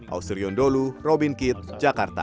auserion dolo robin kitt jakarta